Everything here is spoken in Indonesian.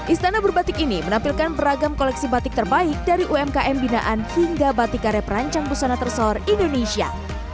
istana berbatik ini menampilkan beragam koleksi batik terbaik dari umkm binaan hingga batik karya perancang busana tersohor indonesia